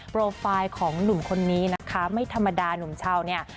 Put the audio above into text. โปรไฟล์ของหนุ่มคนนี้นะคะไม่ธรรมดาหนุ่มเช่าเนี่ย